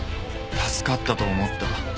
助かったと思った。